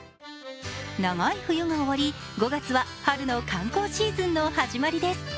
長い冬が終わり、５月は春の観光シーズンの始まりです。